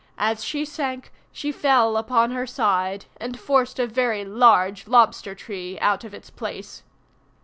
As she sank she fell upon her side, and forced a very large lobster tree out of its place.